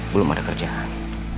belum ada kerjaan